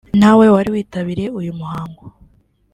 nawe wari witabiriye uyu muhango